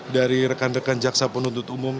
dari rekan rekan jaksa penuntut umum